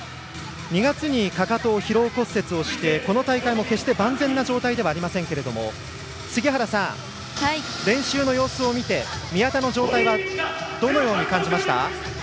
２月にかかとを疲労骨折してこの大会も決して万全な状態ではありませんけれども杉原さん、練習の様子を見て宮田の状態はどのように感じました？